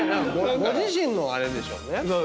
ご自身のあれでしょうね。